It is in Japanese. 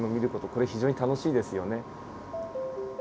これ非常に楽しいですよね。